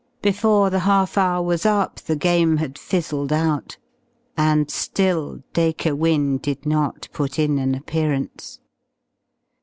Before the half hour was up the game had fizzled out. And still Dacre Wynne did not put in an appearance.